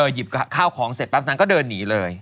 เออหยิบข้าวของเสร็จแปปนั้นก็เดินหนีเลย